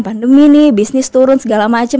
pandemi nih bisnis turun segala macam